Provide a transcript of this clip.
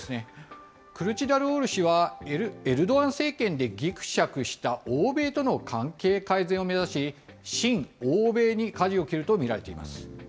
クルチダルオール氏はエルドアン政権でぎくしゃくした欧米との関係改善を目指し、親欧米にかじを切ると見られています。